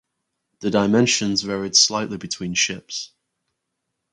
The dimensions varied slightly between ships.